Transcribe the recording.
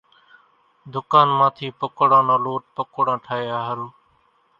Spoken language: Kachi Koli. ڌُڪان مان ٿي پڪوڙان نو لوٽ پڪوڙان ٺاھيا ۿارُو